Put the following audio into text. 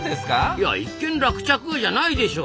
いや一件落着じゃないでしょ！